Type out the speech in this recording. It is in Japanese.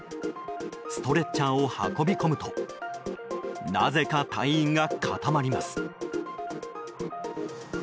ストレッチャーを運び込むとなぜか、隊員が固まります。